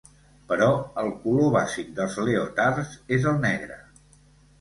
Però el color bàsic dels leotards és el negre.